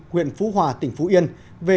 huyện phú hòa tỉnh phú yên về